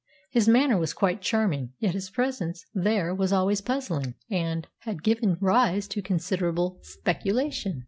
His manner was quite charming, yet his presence there was always puzzling, and had given rise to considerable speculation.